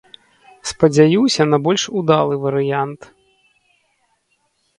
Спадзяюся на больш удалы варыянт.